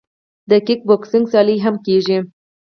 د کیک بوکسینګ سیالۍ هم کیږي.